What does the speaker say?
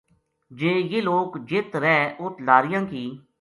جے یہ لوک جِت رہ اُت لاریاں کی